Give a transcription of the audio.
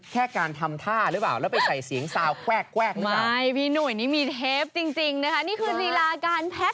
จะทำอะไรไปดูพร้อมกันค่ะค่ะ